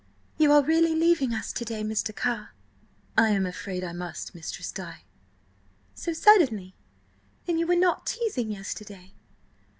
"You are really leaving us to day, Mr. Carr?" "I am afraid I must, Mistress Di." "So suddenly? Then you were not teasing yesterday?"